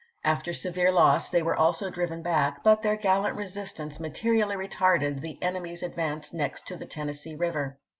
After severe loss they were also driven back, but their gallant resistance materially retarded the enemy's advance next to the Tennessee River.